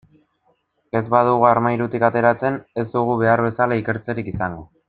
Ez badugu armairutik ateratzen, ez dugu behar bezala ikertzerik izango.